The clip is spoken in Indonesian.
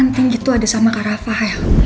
anting gitu ada sama kak rafael